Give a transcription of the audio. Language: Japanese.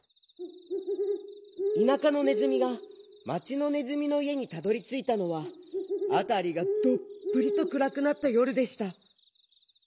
田舎のねずみが町のねずみのいえにたどりついたのはあたりがどっぷりとくらくなったよるでした。